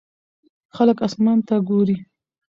خلک اسمان ته ګوري.